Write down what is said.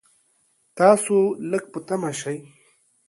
تاسو لږ په طمعه شئ.